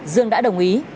dương đã đồng ý